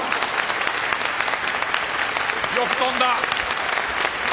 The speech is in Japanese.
よく飛んだ！